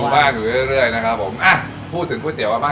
ได้ครับผม